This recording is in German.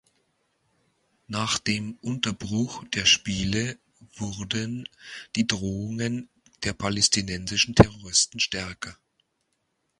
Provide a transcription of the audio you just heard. Nach dem Unterbruch der Spiele wurden die Drohungen der palästinensischen Terroristen stärker.